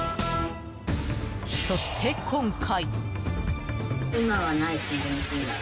そして今回。